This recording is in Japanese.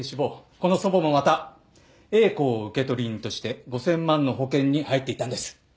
この祖母もまた英子を受取人として５０００万の保険に入っていたんです。